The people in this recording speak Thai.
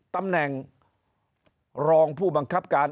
ตำแหน่งรองผู้บังคับการ